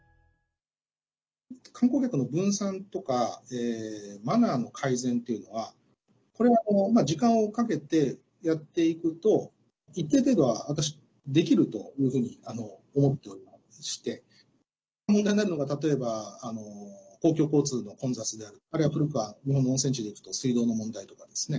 観光客の分散とかマナーの改善というのはこれは時間をかけてやっていくと一定程度は私はできるというふうに思っておりまして問題になるのが例えば、公共交通の混雑や古くは日本の温泉地でいくと水道の問題とかですかね。